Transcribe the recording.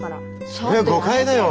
それは誤解だよ。